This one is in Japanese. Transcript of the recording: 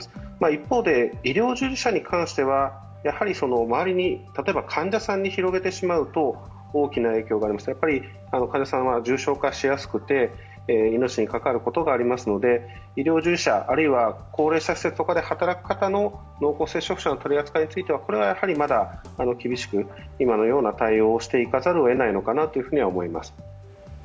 一方で、医療従事者に関しては周りに、例えば患者さんに広げてしまうと大きな影響がありますから患者さんは重症化しやすくて、命に関わることがありますので、医療従事者あるいは高齢者施設などで働く方の濃厚接触者の取り扱いについてはこれはやはりまだ厳しく今のような対応をしていかざるをえないのかなと思います。